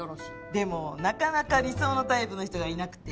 でもなかなか理想のタイプの人がいなくて。